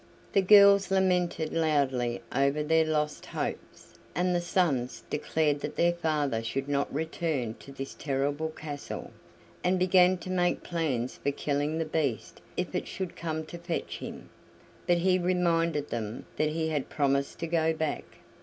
The girls lamented loudly over their lost hopes, and the sons declared that their father should not return to this terrible castle, and began to make plans for killing the Beast if it should come to fetch him. But he reminded them that he had promised to go back.